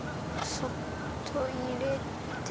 そっといれて。